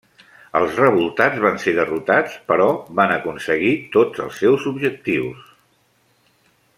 Els revoltats van ser derrotats, però van aconseguir tots els seus objectius.